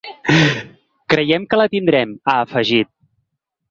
Creiem que la tindrem, ha afegit.